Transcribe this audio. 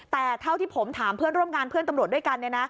แต่เท่าที่ผมถามเพื่อนร่วมงานเพื่อนตำรวจด้วยกัน